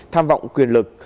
tham vọng quyền lực